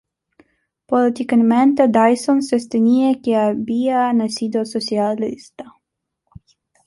Políticamente Dyson sostenía que había nacido socialista.